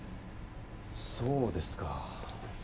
そうですか。